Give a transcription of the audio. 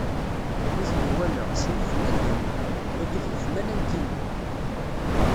Mi ten-iwala, Si Mḥemmed inna: Tagi d leḥmala n Yillu!